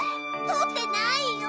とってないよ！